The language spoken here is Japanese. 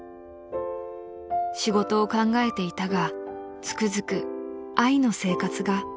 ［「仕事を考えていたがつくづく愛の生活が一番と悟る」］